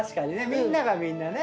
みんながみんなね。